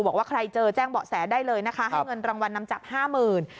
บอกว่าใครเจอแจ้งเบาะแสได้เลยนะคะให้เงินรางวัลนำจับห้าหมื่น